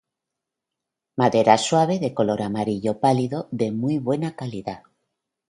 Madera suave, de color amarillo pálido de muy buena calidad.